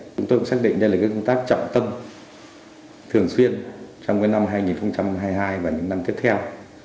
chúng tôi cũng xác định đây là công tác trọng tâm thường xuyên trong năm hai nghìn hai mươi hai và những năm tiếp theo